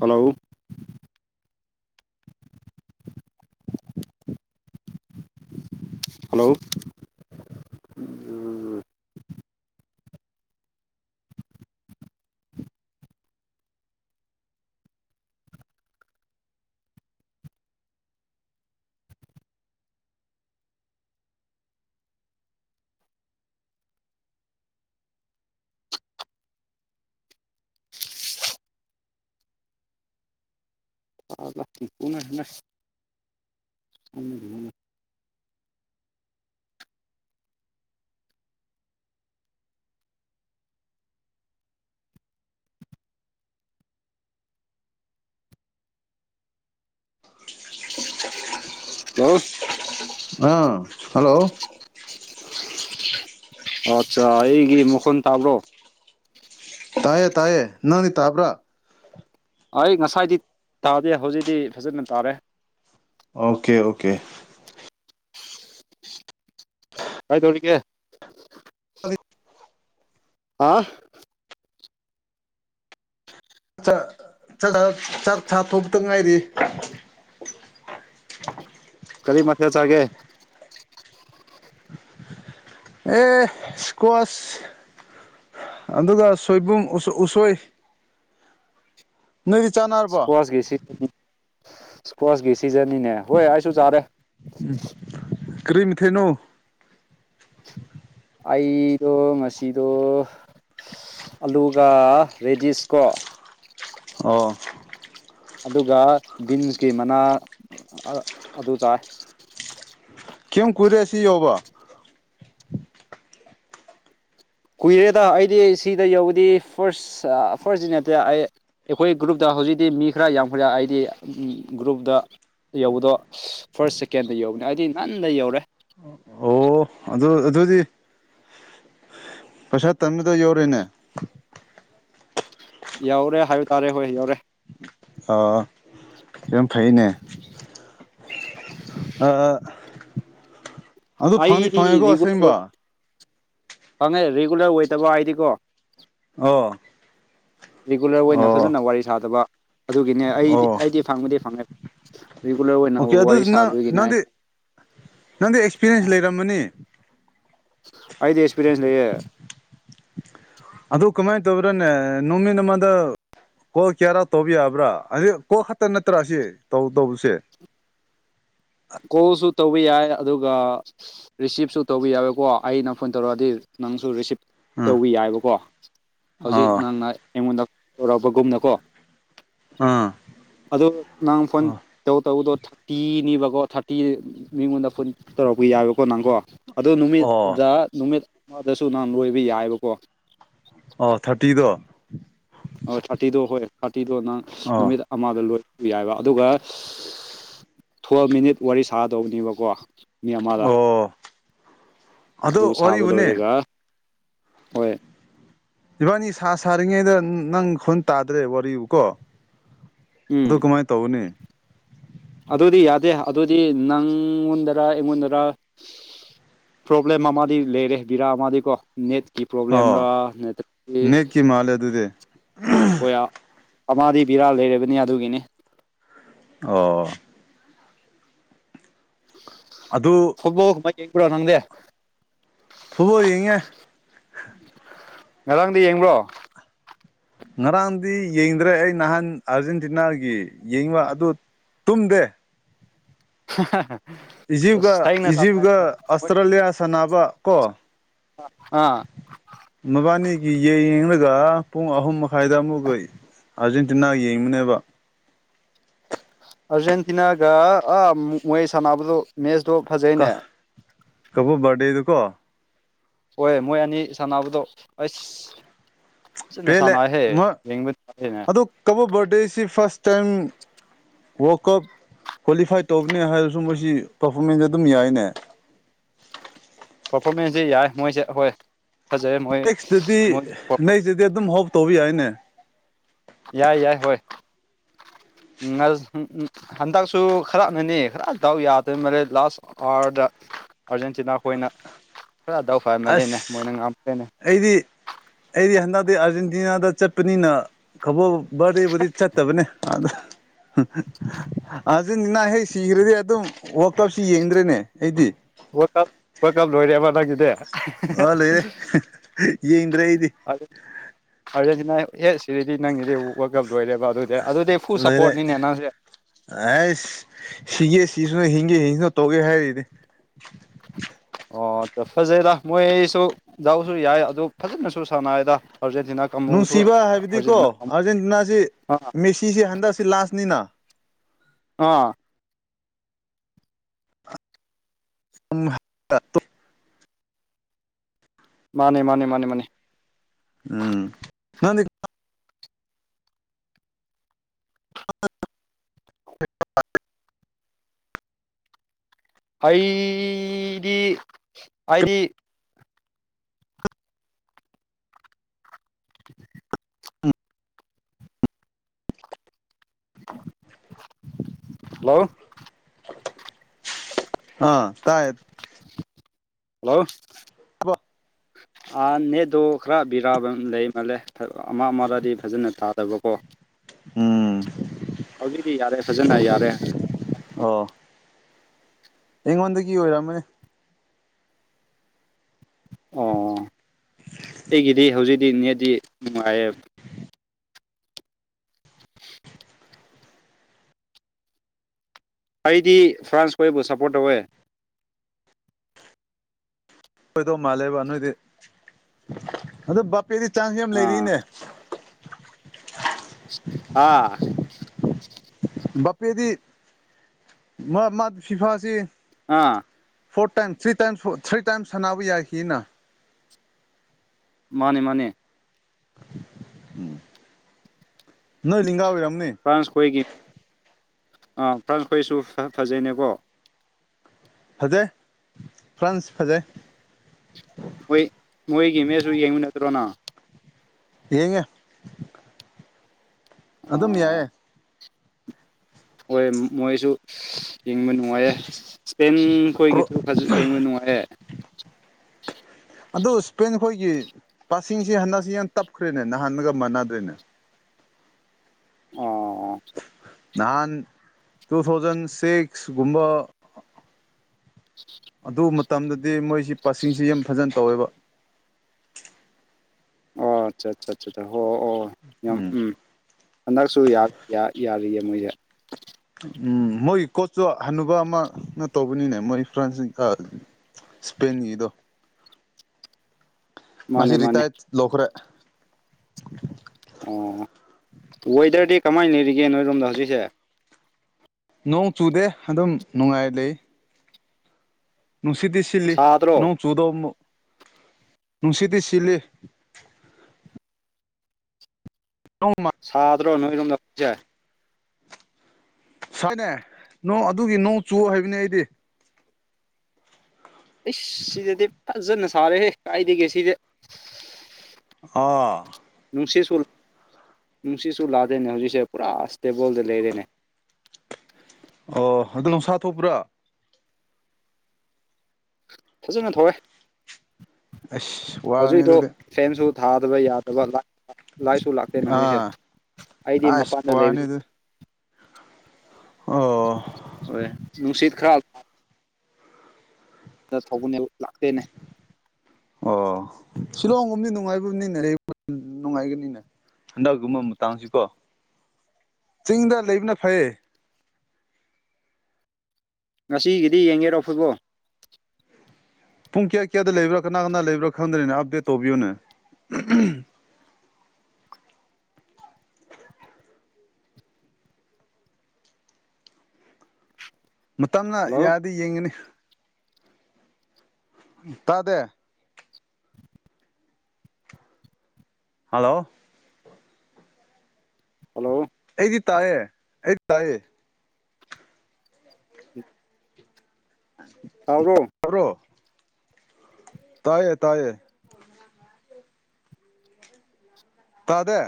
hello hello ꯄꯨꯅ [unintelligible] hello ꯑꯥ hello ꯑꯠꯆꯥ ꯑꯩꯒꯤ ꯃꯈꯣꯟ ꯇꯥꯕ꯭ꯔꯣ ꯇꯥꯏꯌꯦ ꯇꯥꯏꯌꯦꯦ ꯅꯅꯤ ꯇꯥꯕ꯭ꯔꯥ ꯑꯩ ꯉꯁꯥꯏꯗꯤ ꯇꯥꯗꯦ ꯍꯧꯖꯤꯛꯇꯤ ꯐꯖꯅ ꯇꯥꯔꯦ ꯑꯣꯀꯦ ꯑꯣꯀꯦ ꯀꯥꯏ ꯊꯧꯔ ꯀꯦ ꯍꯥ ꯆꯥꯛ ꯆꯥꯊꯄꯇ ꯉꯥꯏꯔꯤ ꯀꯔꯤ ꯃꯊꯦ ꯆꯒꯦ ꯑꯦ ꯏꯁꯀ꯭ꯋꯥꯁ ꯑꯗꯨꯒ ꯁꯣꯏꯕꯨꯝ ꯎꯁꯣꯏ [unintelligible] ꯅꯣꯏꯗꯤ ꯆꯥꯅꯔꯕꯣ ꯏꯁꯀꯁꯟ ꯏꯁꯀꯁꯀꯤ ꯁꯤꯖꯟꯅꯤꯅꯦ ꯍꯣꯏ ꯑꯩꯁꯨ ꯆꯥꯔꯦ ꯎꯝ ꯀꯔꯤꯃꯤꯊꯦꯅꯣ ꯑꯩꯗꯣ ꯉꯁꯤꯗꯣ ꯑꯂꯨꯒ ꯔꯦꯗꯤꯁꯀꯣ ꯑꯣ ꯑꯗꯨꯒ ꯕꯤꯟꯁꯀꯤ ꯃꯅꯥ ꯑꯗꯨ ꯇꯥꯏ ꯀꯝ ꯀꯨꯏꯔꯦ ꯁꯤ ꯌꯣꯕ ꯀꯨꯏꯔꯦꯗ ꯑꯩꯗꯤ ꯁꯤꯗ ꯌꯧꯗꯤ ꯐꯥꯔꯁ ꯐꯥꯔꯁ ꯅꯠꯇꯦ ꯑꯩ ꯑꯩꯈꯣꯏ ꯒ꯭ꯔꯨꯞꯇ ꯍꯧꯖꯤꯛꯇꯤ ꯃꯤ ꯈꯔ ꯌꯥꯝꯈ꯭ꯔꯦ ꯑꯩꯗꯤ ꯒ꯭ꯔꯨꯞꯇ ꯌꯧꯕꯗꯣ ꯐꯥꯔꯁ ꯁꯦꯀꯦꯟꯗ ꯌꯧꯕꯅꯦ ꯍꯥꯏꯗꯤ ꯉꯟꯟꯅ ꯌꯧꯔꯦ ꯑꯣ ꯑꯗꯨ ꯑꯗꯨꯗꯤ ꯄꯩꯁꯥ ꯇꯝꯃꯤꯗꯣ ꯌꯧꯔꯤꯅꯦ ꯌꯥꯎꯔꯦ ꯍꯥꯏ ꯇꯥꯔꯦ ꯍꯣꯏ ꯌꯥꯎꯔꯦ ꯑꯣ ꯌꯥꯝꯔꯝ ꯐꯩꯅꯦ ꯑꯗꯨ ꯐꯪꯅꯤ ꯑꯩꯗꯤ ꯐꯪꯉꯦꯀꯣ ꯔꯤꯒꯨꯂꯔ ꯑꯁꯦꯡꯕ ꯑꯣꯏ ꯈꯪꯉꯦ ꯔꯤꯒꯨꯂꯔ ꯑꯣꯏꯗꯕ ꯍꯥꯏꯗꯤꯀꯣ ꯑꯣ ꯔꯤꯒꯨꯂꯔ ꯑꯣꯏꯅ ꯑꯣ ꯐꯖꯅ ꯋꯥꯔꯤ ꯁꯥꯗꯕ ꯑꯗꯨꯒꯤꯅꯦ ꯑꯩꯗꯤ ꯑꯣ ꯑꯩꯗꯤ ꯐꯪꯕꯗꯤ ꯐꯪꯉꯦ ꯔꯤꯒꯨꯂꯔ ꯑꯣꯏꯅ ꯑꯣꯀꯦ ꯋꯥꯔꯤ ꯑꯗꯨꯗꯤ ꯅꯪ ꯁꯥꯗꯣꯏꯒꯤꯅꯤ ꯅꯪꯗꯤ ꯅꯪꯗꯤ ꯑꯦꯛꯁꯄꯤꯔꯤꯌꯦꯟꯁ ꯂꯩꯔꯝꯃꯅꯤ ꯑꯗꯤ ꯑꯦꯛꯁꯄꯤꯔꯤꯌꯦꯟꯁ ꯂꯩꯌꯦꯦ ꯑꯗꯨꯗ ꯀꯃꯥꯏ ꯇꯕ꯭ꯔꯅꯦ ꯅꯣꯃꯤ ꯅꯃꯗ ꯀꯣꯛ ꯀꯦꯔꯥꯎ ꯇꯧꯕ ꯌꯥꯕ꯭ꯔꯥ ꯑꯁꯤ ꯀꯣꯛ ꯈꯛꯇ ꯅꯠꯇ꯭ꯔꯥ ꯑꯁꯤ ꯇꯧ ꯇꯧꯕꯁꯦ ꯀꯣ ꯁ ꯇꯧꯕ ꯌꯥꯏ ꯑꯗꯨꯒ ꯔꯤꯁꯤꯞꯁꯨ ꯇꯧꯕ ꯌꯥꯋꯀꯣ ꯑꯩꯅ ꯐꯣꯟ ꯇꯧꯔꯛꯑꯗꯤ ꯅꯪꯁꯨ ꯔꯤꯁꯤꯞ ꯑꯥ ꯇꯧꯕꯤ ꯌꯥꯏꯕꯀꯣ ꯍꯧꯖꯤꯛ ꯑꯥ ꯅꯪꯅ ꯑꯩꯉꯣꯟꯗ ꯇꯧꯔꯛꯄꯒꯨꯝꯅꯀꯣ ꯑꯥ ꯑꯗꯨ ꯅꯪ ꯐꯣꯟ ꯑꯥ ꯇꯧ ꯇꯧꯕꯗꯣ ꯊꯥꯔꯇꯤꯅꯦꯕꯀꯣ ꯊꯥꯔꯇꯤ ꯃꯤꯉꯣꯟꯗ ꯀꯨꯟ ꯇꯧꯔꯛꯄ ꯌꯥꯏꯕꯀꯣ ꯅꯪꯀꯣ ꯑꯗꯨ ꯑꯣ ꯅꯨꯃꯤꯠꯇꯨꯗ ꯅꯨꯃꯤꯠ ꯃꯗꯁꯨ ꯅꯍꯥꯟ ꯂꯣꯏꯕ ꯌꯥꯏꯕꯀꯣ ꯑꯣ ꯊꯥꯔꯇꯤꯗ ꯍ ꯊꯥꯔꯇꯤꯗꯣ ꯍꯣꯏ ꯊꯥꯔꯇꯤꯗꯣ ꯅꯪ ꯑꯣ ꯅꯨꯃꯤꯠ ꯑꯃꯗ ꯂꯣꯏ ꯌꯥꯏꯕ ꯑꯗꯨꯒ ꯊꯨ ꯃꯤꯅꯤꯠ ꯋꯥꯔꯤ ꯁꯥꯗꯅꯦꯕꯀꯣ ꯃꯤ ꯑꯃꯗ ꯑꯣ ꯑꯗꯣ ꯑꯗꯨ ꯁꯥꯕ ꯋꯥꯔꯤꯕꯨꯅꯦ ꯂꯣꯏꯔꯒ ꯍꯣꯏ ꯏꯕꯥꯅꯤ ꯁꯥ ꯁꯥꯔꯤꯉꯩꯗ ꯅꯪ ꯑꯩꯣꯟ ꯇꯥꯗ꯭ꯔꯦ ꯋꯥꯔꯤꯕꯨꯀꯣ ꯎꯝ ꯑꯗꯨ ꯀꯃꯥꯏꯅ ꯇꯧꯅꯤ ꯑꯗꯨꯗꯤ ꯌꯥꯗꯦ ꯑꯗꯨꯗꯤ ꯅꯪꯉꯣꯟꯗꯔ ꯑꯩꯉꯣꯟꯗꯔ ꯄ꯭ꯔꯣꯕ꯭ꯂꯦꯝ ꯑꯃꯗꯤ ꯂꯩꯔꯦ ꯕꯤꯔꯥ ꯑꯃꯗꯤꯀꯣ ꯅꯦꯠ ꯀ ꯄꯣꯕ꯭ꯂꯦꯝ ꯔ ꯑꯣ ꯅꯠꯇ꯭ꯔ ꯅꯦꯠꯀꯤ ꯃꯥꯜꯂꯦ ꯑꯗꯨꯗꯤ ꯍꯌꯥ ꯑꯃꯗꯤ ꯕꯤꯔꯥ ꯂꯩꯔꯕꯅꯤ ꯑꯗꯨꯒꯤꯅꯤ ꯑꯣ ꯑꯗꯨ ꯍ ꯃ ꯌꯦꯕꯨ ꯅꯪꯗꯦ ꯐꯕꯣꯗꯤ ꯌꯦꯉ ꯉꯔꯥꯡꯗꯤ ꯌꯦꯡꯕ꯭ꯔꯣ ꯉꯔꯥꯡꯗꯤ ꯌꯦꯡꯗ꯭ꯔꯦ ꯑꯩ ꯅꯍꯥꯟ ꯑꯥꯔꯖꯦꯟꯇꯤꯅꯥꯒꯤ ꯌꯦꯡꯕ ꯑꯗꯨ ꯇꯨꯡꯗ [inaudible] ꯏꯖꯤꯞꯒ ꯑꯁ ꯊꯦꯡꯅ ꯁꯥꯟꯅ ꯏꯖꯤꯞꯒ ꯑꯥ ꯑꯁꯇ꯭ꯔꯦꯂꯤꯌꯥ ꯁꯥꯟꯅꯕ ꯀꯣ ꯃꯕꯥꯅꯤꯒꯤ ꯌ ꯏꯪꯁ ꯑꯗꯨꯒ ꯄꯨꯡ ꯑꯍꯨꯝ ꯃꯈꯥꯏꯗ ꯑꯃꯨꯛꯈ ꯑꯥꯔꯖꯦꯟꯇꯤꯅꯥ ꯌꯦꯡꯕꯨꯅꯦꯕ ꯑꯔꯖꯦꯟꯇꯤꯅꯥꯒ ꯑ ꯃꯣꯏ ꯁꯅꯕꯣ ꯃꯦꯁ ꯑꯗꯨꯣ ꯐꯖꯩꯅꯦ ꯗꯨꯀꯣ ꯍꯣꯏ ꯃꯣꯏ ꯑꯅꯤ ꯁꯥꯟꯅꯕꯗꯣ ꯑꯁ ꯄꯦꯜꯂꯦ ꯇꯥꯔꯦꯅꯦ ꯑꯗꯣ ꯀꯕ ꯔꯗꯦꯁꯤ first time world cup qualify ꯇꯧꯕꯅꯦ ꯍꯥꯏꯔꯁꯨ ꯃꯁꯤꯣꯏ ꯄꯔꯐꯣꯔꯃꯦꯟꯁ ꯑꯗꯨꯝ ꯌꯥꯏꯅꯦ ꯄꯔꯐꯣꯔꯃꯦꯟꯁꯁꯦ ꯌꯥꯏ ꯃꯣꯏꯁꯦ ꯑꯩꯈꯣꯏ ꯖ ꯃꯣꯏ ꯅꯦꯛꯁꯇꯗꯤ ꯃꯣꯏ ꯅꯦꯛꯁꯇꯗꯤ ꯑꯗꯨꯝ ꯍꯣꯞ ꯇꯧꯕ ꯌꯥꯏꯅꯦ ꯌꯥꯏ ꯌꯥꯏ ꯍꯣꯏ ꯎ ꯍꯟꯗꯛꯁꯨ ꯈꯔꯞꯅꯅꯤ ꯈꯔ ꯗꯥꯎ ꯌꯥꯗꯣꯏ ꯃꯔꯦ ꯂꯥꯁ ꯑꯋꯥꯔꯗ ꯑꯥꯔꯖꯦꯟꯇꯤꯅꯥꯈꯣꯏꯅ ꯈꯔꯗꯥꯎ ꯐꯃ ꯂꯩꯅꯦ ꯑꯁ ꯃꯣꯏꯅ ꯉꯥꯇ꯭ꯔꯦꯅꯦ ꯑꯩꯗꯤ ꯑꯩꯗꯤ ꯍꯟꯗꯛꯇꯤ ꯑꯥꯔꯖꯦꯟꯇꯤꯅꯥꯗ ꯆꯠꯄꯅꯤꯅ ꯈꯕꯣ ꯕꯥꯔꯗꯦꯕꯨꯗꯤ ꯆꯠꯇꯕꯅꯦ ꯑ ꯑꯗꯨꯅꯤꯅꯍꯦꯛ ꯁꯤꯈ꯭ꯔꯗꯤ ꯑꯗꯨꯝ ꯑꯞꯁꯤ ꯌꯦꯡꯗ꯭ꯔꯦꯅꯦ ꯑꯩꯗꯤ ꯑ ꯂꯣꯏꯔꯦ ꯌꯦꯡꯗ꯭ꯔꯦ ꯑꯩꯗꯤ ꯑꯔ ꯅ ꯍꯦ ꯁꯤꯗꯤ ꯅꯪꯗꯤ ꯋ [unintelligible] ꯂꯣꯏꯔꯦꯕ ꯑꯗꯨꯗꯤ ꯑꯗꯨꯗꯤ ꯐꯨꯜ ꯂꯣꯏꯔꯦ ꯁꯞꯄꯣꯔꯠꯅꯤꯅꯦ ꯅꯪꯁꯦ ꯑꯩꯁ ꯁꯤꯒꯦ ꯁꯤꯁꯤꯅꯣ ꯍꯤꯡꯒꯦ ꯍꯤꯡꯁꯨꯅꯣ ꯇꯧꯒꯦ ꯍꯥꯏꯔꯤꯗꯤ ꯑ [inaudible] ꯑꯣ ꯐꯖꯩꯗ ꯃꯣꯏꯁꯨ ꯗꯥꯎꯁꯨ ꯌꯥꯏ ꯑꯗꯨ ꯐꯖꯅꯁꯨ ꯁꯥꯟꯅꯩꯗ ꯑꯥꯔꯖꯦꯟꯇꯤꯅꯥ ꯀꯥꯡꯕꯨꯁꯨ ꯅꯨꯡꯁꯤꯕ ꯍꯥꯏꯕꯗꯤꯀꯣ ꯑꯥꯔꯖꯦꯟꯇꯤꯅꯥ ꯑꯥꯔꯖꯦꯟꯇꯤꯅꯥꯁꯤ ꯑꯥ ꯃꯦꯁꯤꯁꯤ ꯍꯟꯗꯛꯁꯤ ꯂꯥꯁꯅꯤꯅ ꯑꯥ ꯑꯍ [inaudible] ꯃꯥꯅꯦ ꯃꯥꯅꯦ ꯃꯥꯅꯦ ꯃꯥꯅꯦ ꯎꯝ ꯅꯪꯗꯤ [inaudible] ꯑꯩꯗꯤ ꯍꯥꯏꯗꯤ [inaudible] ꯑꯥ [inaudible] ꯍꯜꯂꯣ ꯑꯥ ꯇꯥꯏꯥ ꯍꯜꯂꯣ ꯑꯣ [inaudible] ꯎ [inaudible] ꯥ ꯅꯦꯠꯇꯣ ꯈꯔ ꯕꯦꯔꯥ ꯂꯩ ꯃꯥꯜꯂꯦ ꯑꯃ ꯑꯃꯗꯤ ꯐꯖꯅ ꯇꯥꯗꯕꯀꯣ ꯎꯝ ꯍꯧꯖꯤꯛꯇꯤ ꯌꯥꯔꯦ ꯐꯖꯅ ꯌꯥꯔꯦ ꯑꯩꯉꯣꯟꯗ ꯒꯤ ꯑꯣꯏꯔ ꯃꯅꯤ ꯑꯣ ꯑꯩꯒꯤꯗꯤ ꯍꯧꯖꯤꯛꯇꯤ ꯅꯦꯗꯤ ꯅꯨꯡꯉꯥꯏꯌꯦꯕ ꯑꯩꯗꯤ ꯐ꯭ꯔꯥꯟꯁ ꯈꯣꯏꯕꯨ ꯁꯞꯄꯣꯔꯠ ꯇꯧꯋꯦ ꯑꯣꯏꯗꯨꯏ ꯃꯥꯜꯂꯦꯕ ꯅꯣꯏꯗꯤ ꯑꯗ ꯑꯗꯨꯗꯤ ꯆꯥꯟꯁ ꯌꯥꯝ ꯑꯥ ꯂꯩꯔꯤꯅꯦ ꯑꯥ ꯕꯄꯦꯗꯤ ꯃꯥ ꯐꯤꯐꯥꯁꯦ ꯑꯥ four times three times three times ꯁꯥꯟꯅꯕ ꯌꯥꯈꯤꯅꯤꯅ ꯃꯥꯅꯦ ꯃꯥꯅꯦ ꯎꯝ ꯏ ꯂ ꯂꯤꯡꯥꯔ [unintelligible] ꯐ꯭ꯔꯥꯟꯁ ꯈꯣꯏꯒꯤ ꯑꯥ ꯐ꯭ꯔꯥꯟꯁ ꯈꯣꯏꯁꯨ ꯐꯖꯩꯅꯦꯀꯣ ꯐꯖꯩ ꯐ꯭ꯔꯥꯟꯁ ꯐꯖꯩ ꯃꯣꯏ ꯃꯣꯏꯒꯤ ꯃꯦꯠꯁꯁꯨ ꯌꯦꯡꯕ ꯅꯠꯇ꯭ꯔꯣ ꯅꯪ ꯌꯦꯡꯑ ꯑꯗꯨꯝ ꯑꯥ ꯌꯥꯏꯌꯦ ꯍꯣꯏ ꯃꯣꯏꯁꯨ ꯌꯦꯡꯕ ꯅꯨꯡꯉꯥꯏꯌꯦ ꯏꯁꯄꯑꯣꯟ ꯀ꯭ꯔꯣ ꯈꯣꯏꯒꯤꯁꯨ ꯌꯦꯡꯕ ꯅꯨꯡꯉꯥꯏꯌꯦ ꯑꯗꯨ ꯏꯁꯄꯦꯟ ꯈꯣꯏꯒꯤ ꯄꯥꯁꯤꯡꯁꯤ ꯍꯟꯗꯛꯁꯤ ꯌꯥꯝ ꯇꯞꯈ꯭ꯔꯦꯅꯦ ꯅꯍꯥꯟꯒ ꯃꯥꯟꯅꯗ꯭ꯔꯦꯅꯦ ꯑꯣ ꯅꯍꯥꯟ ꯇꯨꯊꯥꯎꯖꯟꯁꯤꯛ ꯒꯨꯝꯕ ꯑꯗꯨ ꯃꯇꯝꯗꯗꯤ ꯃꯣꯏꯁꯤ ꯄꯥꯁꯤꯡꯁꯤ ꯌꯥꯝ ꯐꯖꯅ ꯇꯧꯋꯦꯕ ꯑꯣ ꯑꯆꯥ ꯑꯆꯥ ꯍꯣꯏ ꯑꯣ ꯌꯥꯝ ꯎꯝ ꯍꯟꯗꯛ ꯨ ꯌꯥꯔꯤꯌꯦ ꯃꯣꯏꯁꯦ [unintelligible] ꯎꯝ ꯃꯣꯏꯒꯤ ꯀꯣꯆꯇꯨ ꯍꯥꯅꯨꯕ ꯑꯃꯅ ꯇꯧꯕꯅꯤꯅꯦ ꯃꯣꯏ ꯐ꯭ꯔ ꯏꯁꯄꯦꯟꯒꯤꯗꯣ ꯃꯥꯅꯦ ꯃꯁꯤꯁꯤ ꯃꯥꯅꯦ ꯔꯤꯇꯥꯥꯌꯔ ꯂꯧꯈꯔ꯭ꯦ ꯑꯣ ꯋꯦꯊꯔ ꯀꯃꯥꯏꯅ ꯂꯩꯔꯤꯒꯦ ꯅꯣꯏꯔꯣꯝꯗ ꯍꯧꯖꯤꯛꯁꯦ ꯅꯣꯡ ꯆꯨꯗꯦ ꯑꯗꯨꯝ ꯅꯨꯡꯉꯥꯏ ꯂꯩ ꯅꯨꯡꯁꯤꯗꯤ ꯁꯤꯠꯂꯤ ꯁꯥꯗ꯭ꯔꯣ ꯅꯣꯡ ꯆꯨꯗꯎ ꯅꯨꯡꯁꯤꯗꯤ ꯁꯤꯂ ꯁꯥꯠꯔꯣ ꯅꯣꯏꯔꯣꯝ ꯍꯥꯑꯣꯀꯤꯛ ꯁꯦ ꯁꯥꯏꯅꯦ ꯅꯣꯡ ꯑꯗꯨꯒꯤ ꯅꯣꯡ ꯆꯨ ꯍꯥꯏꯕꯅꯦ ꯑꯩꯗꯤ ꯑꯩ ꯁꯤꯗꯗꯤ ꯐꯖꯅ ꯁꯥꯔꯦꯍꯦ ꯀꯥꯏꯗꯒꯦ ꯁꯤꯗꯤ ꯑꯥ ꯄꯣꯡꯁꯤ ꯁꯣ ꯅꯨꯡꯁꯤꯠꯁꯨ ꯂꯥꯛꯗꯦꯅꯦ ꯍꯧꯖꯤꯛꯁꯦ ꯄꯨꯔꯥ ꯑꯁꯇꯦꯕꯣꯜꯗ ꯂꯩꯔꯦꯅꯦ ꯑꯣ ꯑꯗꯨ ꯂꯁꯥ ꯊꯣꯛꯄ꯭ꯔꯥ ꯐꯖꯅ ꯊꯧꯋꯦ ꯑꯁ ꯍꯧꯖꯤꯛ ꯋꯥꯒꯅꯤ ꯍꯧꯗꯣ ꯑꯗꯨꯗꯤ ꯐꯦꯟꯁꯨ ꯊꯥꯗꯕꯩ ꯌꯥꯗꯕ ꯂ ꯂꯥꯏꯁꯨ ꯂꯥꯛꯇꯦꯅꯦ ꯍꯧꯖꯤꯛꯁꯦ ꯑꯥ ꯑꯩꯗꯤ ꯑꯁ ꯃꯄꯥꯟꯗ ꯋꯥꯅꯤ ꯂꯩꯕꯅꯦ ꯑꯗꯨ ꯑꯣ ꯍꯣꯏ ꯅꯨꯡꯁꯤꯠ ꯈꯔ ꯊꯥꯎꯕꯅꯦ ꯑꯣ ꯁꯤꯂꯑꯣꯡ ꯑꯣꯝꯗꯤ ꯅꯣꯡ ꯅꯨꯡꯉꯥꯏꯕꯅꯤꯅ ꯅꯨꯡꯉꯥꯏꯒꯅꯤꯅꯦ ꯍꯟꯗꯛꯀꯨꯝꯕ ꯃꯇꯥꯡꯁꯤꯀꯣ ꯆꯤꯡꯗ ꯂꯩꯕꯅ ꯐꯩꯌꯦ ꯉꯁꯤꯒꯤꯗꯤ ꯌꯦꯡꯒꯦꯔꯣꯐꯣꯏꯕꯣ ꯄꯨꯡ ꯀꯌꯥ ꯀꯌꯥꯗ ꯂꯩꯕ꯭ꯔꯥ ꯀꯅꯥ ꯀꯅꯥ ꯂꯩꯕ꯭ꯔꯥ ꯈꯪꯗ꯭ꯔꯤꯅꯣ ꯑꯞꯗꯦꯠ ꯇꯧꯕꯤꯌꯨꯅꯦ [unintelligible] [inaudible] ꯃꯇꯝꯅ ꯍꯜꯂꯣ ꯌꯥꯗꯤ ꯌꯦꯡꯉꯒꯅꯤ ꯇꯥꯗꯦ ꯍꯜꯂꯣ ꯍꯜꯂꯣ ꯑꯩꯗꯤ ꯇꯥꯏꯌꯦ ꯑꯩꯗꯤ ꯇꯌꯦ ꯇꯥꯕ꯭ꯔꯣ ꯇꯥꯕꯔꯣ ꯇꯥꯏꯌꯦ ꯇꯥꯏꯌꯦ ꯇꯥꯗꯦ